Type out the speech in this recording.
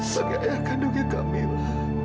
sebagai ayah kandungnya kamila